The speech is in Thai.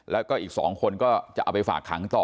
แล้วก็อีก๒คนก็จะเอาไปฝากขังต่อ